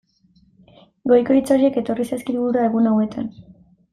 Goiko hitz horiek etorri zaizkit burura egun hauetan.